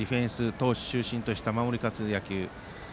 投手中心とした守り勝つ野球。